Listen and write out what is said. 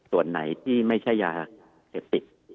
ส่วนไหนที่ไม่ใช่ยาเสพติด